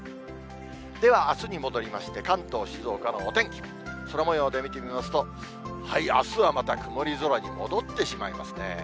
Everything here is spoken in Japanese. ではあすに戻りまして、関東、静岡のお天気、空もようで見てみますと、あすはまた曇り空に戻ってしまいますね。